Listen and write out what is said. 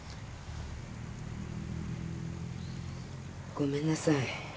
・ごめんなさい